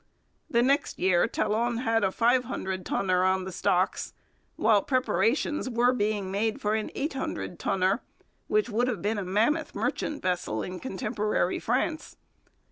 The next year Talon had a five hundred tonner on the stocks, while preparations were being made for an eight hundred tonner, which would have been a 'mammoth' merchant vessel in contemporary France.